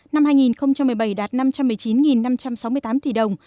năm hai nghìn một mươi bảy đạt năm trăm một mươi chín năm trăm sáu mươi tám tỷ đồng